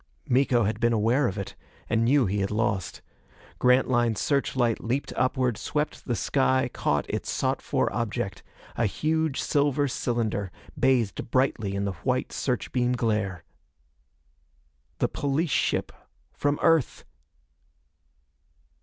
Miko had been aware of it, and knew he had lost. Grantline's search light leaped upward, swept the sky, caught its sought for object a huge silver cylinder, bathed brightly in the white search beam glare. The police ship from Earth!